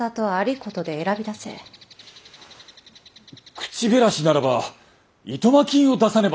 口減らしならば暇金を出さねば。